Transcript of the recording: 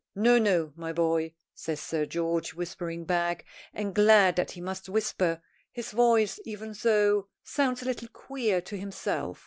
"No, no, my boy," says Sir George, whispering back, and glad that he must whisper. His voice, even so, sounds a little queer to himself.